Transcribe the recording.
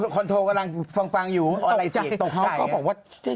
คนโทรกำลังฟังอยู่อะไรเจ๋กตกใจ